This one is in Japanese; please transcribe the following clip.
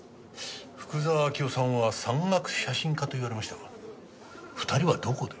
福沢明夫さんは山岳写真家と言われましたが２人はどこで？